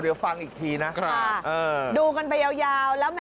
ดูกันไปยาว